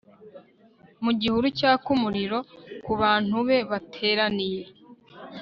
Mu gihuru cyaka umuriro kubantu be bateraniye